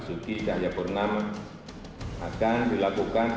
saya minta bada isa yang berusaha mencari kesempatan untuk melakukan hal ini